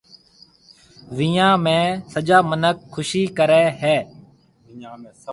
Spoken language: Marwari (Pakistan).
ويهان ۾ سجا مِنک خُوشِي ڪريَ هيَ۔